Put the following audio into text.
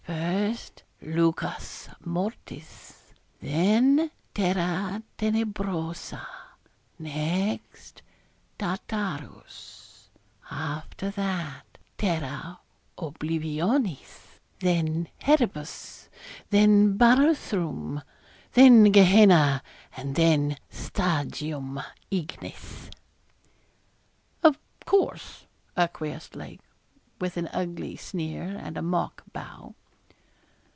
'First, Lucus Mortis; then Terra Tenebrosa; next, Tartarus; after that, Terra Oblivionis; then Herebus; then Barathrum; then Gehenna, and then Stagium Ignis.' 'Of course,' acquiesced Lake, with an ugly sneer, and a mock bow.